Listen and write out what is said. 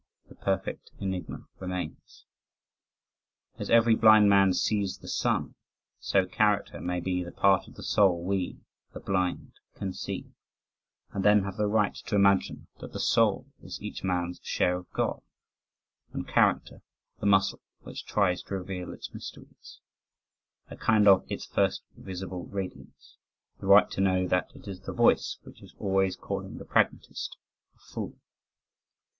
The perfect enigma remains." As every blind man sees the sun, so character may be the part of the soul we, the blind, can see, and then have the right to imagine that the soul is each man's share of God, and character the muscle which tries to reveal its mysteries a kind of its first visible radiance the right to know that it is the voice which is always calling the pragmatist a fool.